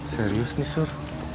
serius nih sur